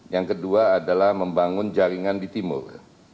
yang kedua adalah membangun jaringan di timur